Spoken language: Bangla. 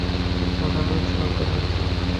ওরা সবজান্তা, ওষুধের জোরে ওরা সব করতে পারে।